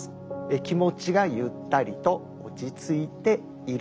「気持ちがゆったりと落ち着いている」。